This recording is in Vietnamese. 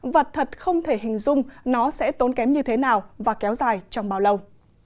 vật thật không thể hình dung nó sẽ tốn kém như thế nào và kéo dài trong bao lâu